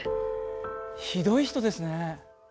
ひどい人ですね。